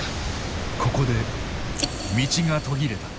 ここで道が途切れた。